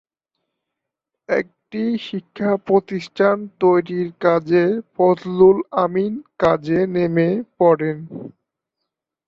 একটি শিক্ষা প্রতিষ্ঠান তৈরির কাজে ফজলুল আমিন কাজে নেমে পড়েন।